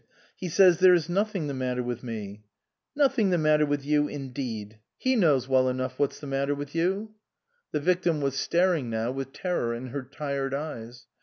He says there is nothing the matter with me." " Nothing the matter with you, indeed ! He 301 SUPERSEDED knows well enough what's the matter with you." The victim was staring now, with terror in her tired eyes.